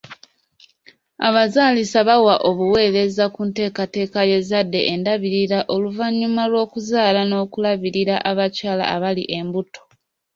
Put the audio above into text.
Abazaalisa bawa obuweereza ku nteekateeka y'ezzadde, endabirira oluvannyuma lw'okuzaala n'okulabirira abakyala abali embuto.